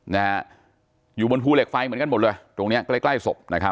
นะฮะอยู่บนภูเหล็กไฟเหมือนกันหมดเลยตรงเนี้ยใกล้ใกล้ศพนะครับ